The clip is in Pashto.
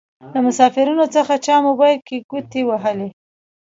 له مسافرينو څخه چا موبايل کې ګوتې وهلې.